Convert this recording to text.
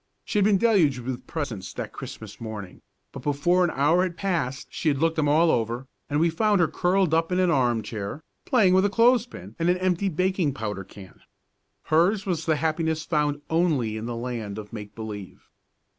She had been deluged with presents that Christmas morning; but before an hour had passed she had looked them all over, and we found her curled up in an armchair, playing with a clothes pin and an empty baking powder can! Hers was the happiness found only in the land of Make Believe.